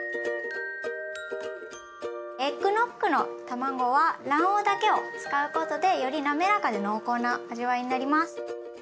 エッグノッグの卵は卵黄だけを使うことでよりなめらかで濃厚な味わいになります。